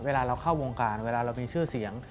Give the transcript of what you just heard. เวลาเราเข้าวงการเวลาเรามีชื่อเสียง